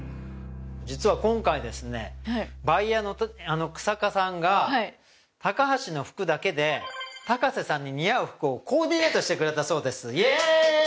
実は今回ですねバイヤーの日下さんがタカハシの服だけで高瀬さんに似合う服をコーディネートしてくれたそうですイエーイ！